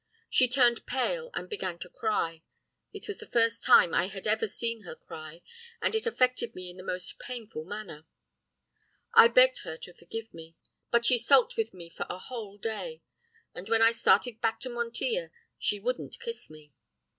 She turned pale and began to cry. It was the first time I had ever seen her cry, and it affected me in the most painful manner. I begged her to forgive me, but she sulked with me for a whole day, and when I started back to Montilla she wouldn't kiss me.